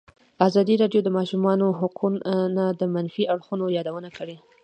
ازادي راډیو د د ماشومانو حقونه د منفي اړخونو یادونه کړې.